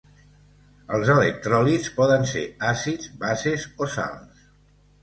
Els electròlits poden ser àcids, bases o sals.